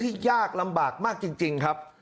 ยากลำบากมากจริงครับ